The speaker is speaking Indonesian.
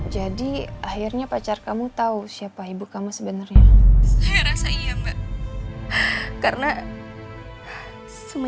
jadi akhirnya pacar kamu tau